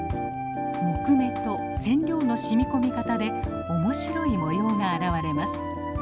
木目と染料の染み込み方で面白い模様が現れます。